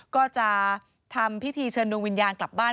ก็จะทำพิธีเชิญดวงวิญญาณกลับบ้าน